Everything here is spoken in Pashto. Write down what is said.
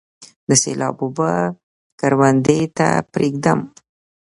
د سیلاب اوبه کروندې ته پریږدم؟